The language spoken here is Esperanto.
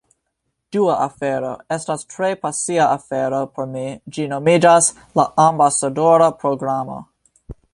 Dua afero, estas tre pasia afero por mi ĝi nomiĝas "La ambasadora programo"